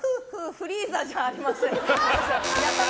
フリーザじゃありません。